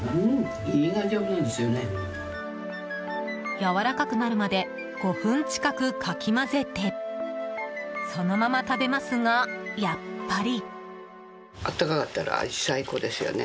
やわらかくなるまで５分近く、かき混ぜてそのまま食べますが、やっぱり。